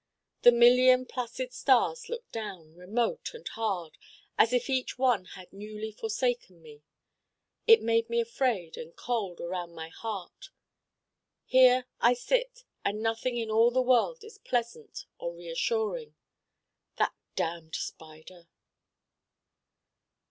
The million placid stars looked down, remote and hard, as if each one had newly forsaken me. It made me afraid and cold around my heart. Here I sit and nothing in all the world is pleasant or reassuring. That damned Spider.